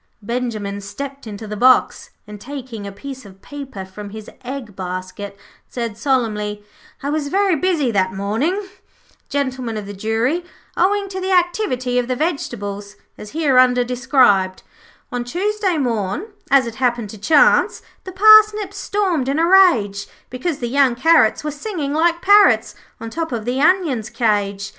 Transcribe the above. Benjimen stepped into the box, and, taking a piece of paper from his egg basket, said solemnly: 'I was very busy that morning, Gentlemen of the Jury, owing to the activity of the vegetables, as hereunder described 'On Tuesday morn, as it happened by chance, The parsnips stormed in a rage, Because the young carrots were singing like parrots On top of the onions' cage.